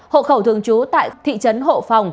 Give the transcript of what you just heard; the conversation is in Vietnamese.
hộ khẩu thường trú tại thị trấn hộ phòng